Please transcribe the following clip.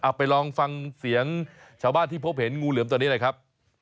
ไปลองฟังเสียงชาวบ้านที่พบเห็นงูเหลือมตัวนี้หน่อยครับ